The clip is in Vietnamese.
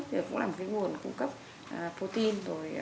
thì cũng là một cái nguồn cung cấp protein